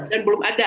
dan belum ada